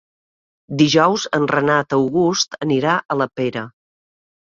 Dijous en Renat August anirà a la Pera.